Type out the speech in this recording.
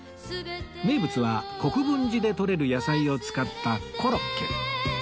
名物は国分寺でとれる野菜を使ったコロッケ